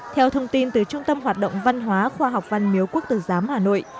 theo thông tin từ trung tâm hoạt động văn hóa khoa học văn miếu quốc tử giám hà nội